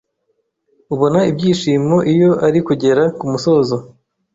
ubona ibyishimo iyo ari kugera kumusozo…